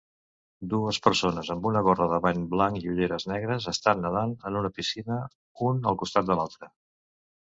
Dues persones amb una gorra de bany blanc i ulleres negres estan nedant en una piscina, un al costat de l'altre